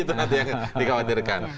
itu nanti yang dikhawatirkan